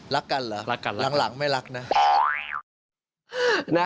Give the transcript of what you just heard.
ร่างหลังไม่รักนะ